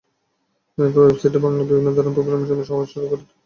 এরপর ওয়েবসাইটে বাংলায় বিভিন্ন ধরনের প্রোগ্রামিং সমস্যা দেওয়া শুরু করেন তামিম শাহরিয়ার।